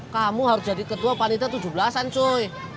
kamu harus jadi ketua panita tujuh belasan cuy